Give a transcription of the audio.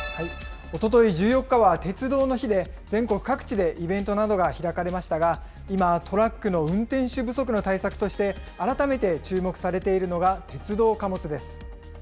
おととい１４日は鉄道の日で、全国各地でイベントなどが開かれましたが、今、トラックの運転手不足の対策として、改めて注目されているのが鉄道貨物です。